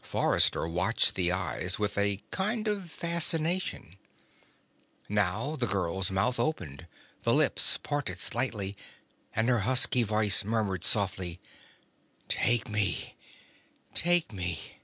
Forrester watched the eyes with a kind of fascination. Now the girl's mouth opened, the lips parted slightly, and her husky voice murmured softly: "Take me. Take me."